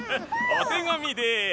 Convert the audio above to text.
おてがみです。